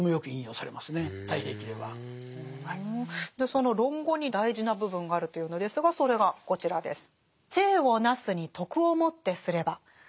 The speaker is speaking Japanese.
その「論語」に大事な部分があるというのですがそれがこちらです。